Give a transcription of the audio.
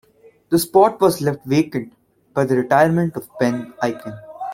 The spot was left vacant by the retirement of Ben Ikin.